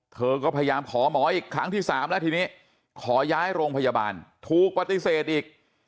เค้าก็พยายามขอหมออีกครั้งที่๓นะด้วยทีนี้